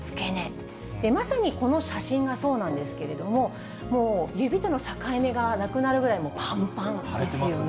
で、まさにこの写真がそうなんですけれども、もう指との境目がなくなるぐらい、ぱんぱんですよね。